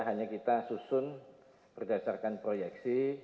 hanya kita susun berdasarkan proyeksi